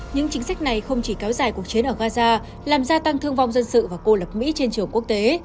những chính sách này không chỉ kéo dài cuộc chiến ở gaza làm gia tăng thương vong dân sự và cô lập mỹ trên trường quốc tế